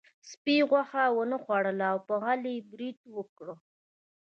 سپي غوښه ونه خوړله او په غل یې برید وکړ.